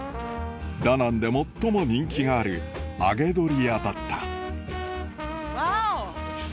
ダナンで最も人気がある揚げ鶏屋だったワオ！